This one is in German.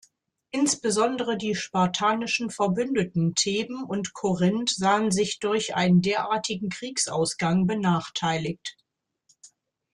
Insbesondere die spartanischen Verbündeten Theben und Korinth sahen sich durch einen derartigen Kriegsausgang benachteiligt.